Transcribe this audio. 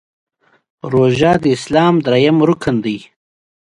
روژه د اسلام د ستنو څخه یوه ده.